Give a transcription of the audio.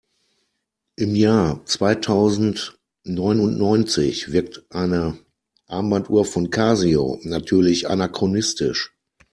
Im Jahr zweitausendneunundneunzig wirkt eine Armbanduhr von Casio natürlich anachronistisch.